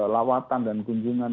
lawatan dan kunjungan